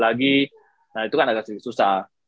lagi nah itu kan akan jadi susah